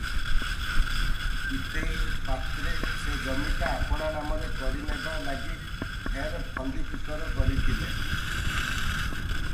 ପୀତେଇ ପାତ୍ରେ ସେ ଜମିଟା ଆପଣା ନାମରେ କରିନେବା ଲାଗି ଢେର ଫନ୍ଦି ଫିକର କରିଥିଲେ ।